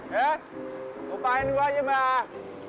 ya lupain gue aja mbak